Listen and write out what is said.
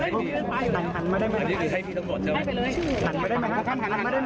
ให้พี่เตรียมให้พี่ตะกดใช่ไหม